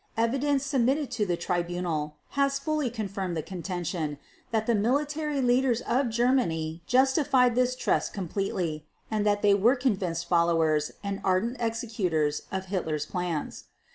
Evidence submitted to the Tribunal has fully confirmed the contention that the military leaders of Germany justified this trust completely and that they were the convinced followers and ardent executors of Hitler's plans.